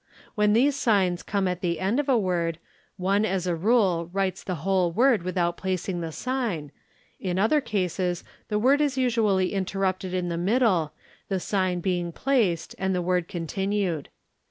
When these signs come at the end of a word one, as a rule, writes the whole word before placing the sign, in other cases the word is usually interrupted in the middle, the sign being placed and the word continued.